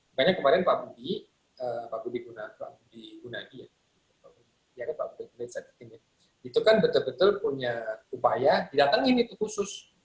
makanya kemarin pak budi gunagi itu kan betul betul punya upaya didatangi ini khusus